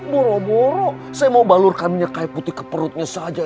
boro boro saya mau balurkan minyak kaya putih ke perutnya saja